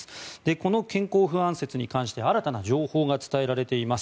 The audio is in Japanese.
この健康不安説に関して新たな情報が伝えられています。